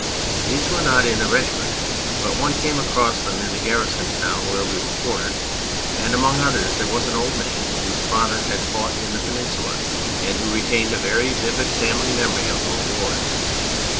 These were not in the regiment, but one came across them in the garrison town where we were quartered, and among others there was an old man whose father had fought in the Peninsula and who retained a very vivid family memory of those wars.